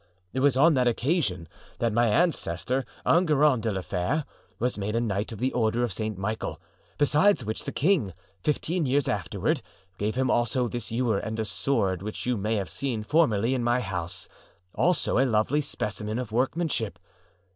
It was on that occasion that my ancestor, Enguerrand de la Fere, was made a knight of the Order of St. Michael; besides which, the king, fifteen years afterward, gave him also this ewer and a sword which you may have seen formerly in my house, also a lovely specimen of workmanship.